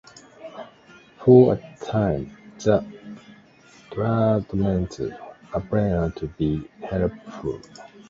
For a time, the treatments appeared to be helpful.